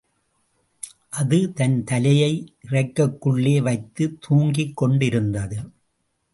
அது, தன் தலையை இறக்கைக்குள்ளே வைத்துத் தூங்கிக்கொண்டிருந்தது.